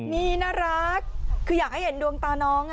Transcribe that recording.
มีน่ารักคืออยากให้เห็นดวงตาน้อง